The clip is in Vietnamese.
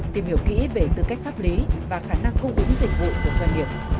tìm hiểu kỹ về tư cách pháp lý và khả năng cung ứng dịch vụ của doanh nghiệp